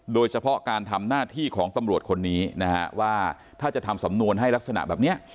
โดยเฉพาะการทำหน้าที่ของตำรวจคนนี้นะฮะว่าถ้าจะทำสำนวนให้ลักษณะแบบนี้